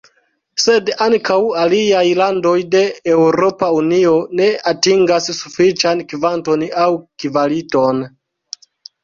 Sed ankaŭ aliaj landoj de Eŭropa Unio ne atingas sufiĉan kvanton aŭ kvaliton.